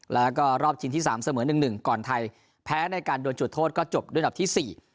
แล้วก็รอบชิงที่๓เสมอ๑๑ก่อนไทยแพ้ในการโดนจุดโทษก็จบด้วยอันดับที่๔